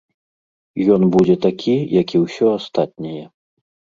Ён будзе такі, як і ўсё астатняе.